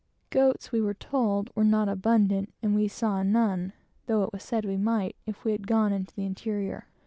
Goats, we were told, were not abundant, and we saw none, though it was said we might, if we had gone into the interior.